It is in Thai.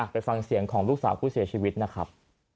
ไปฟังเสียงของลูกสาวผู้เสียชีวิตนะครับ